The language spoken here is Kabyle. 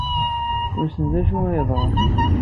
Wissen d acu ay yeḍran.